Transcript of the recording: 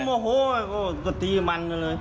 โอ้โหก็ตีมันกันเลย